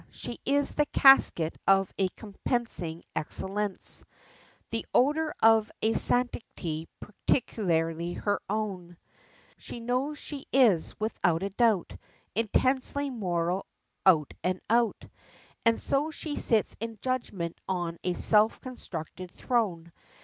she is the casket of a compensating excellence, The odour of a sanctity peculiarly her own, She knows she is, without a doubt, Intensely moral out and out, And so she sits in judgment on a self constructed throne.